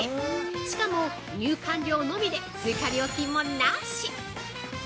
しかも入館料のみで追加料金もなし！